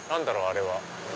あれは。